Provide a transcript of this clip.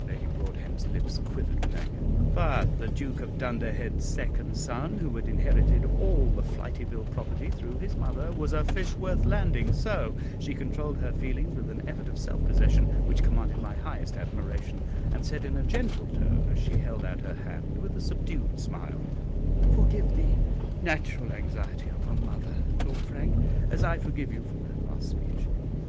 Lady Broadhem's lips quivered with anger; but the Duke of Dunderhead's second son, who had inherited all the Flityville property through his mother, was a fish worth landing, so she controlled her feelings with an effort of self possession which commanded my highest admiration, and said in a gentle tone as she held out her hand with a subdued smile, "Forgive the natural anxiety of a mother, Lord Frank, as I forgive you for that last speech."